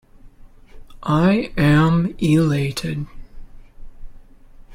I am elated.